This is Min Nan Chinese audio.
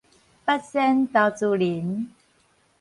八仙投資人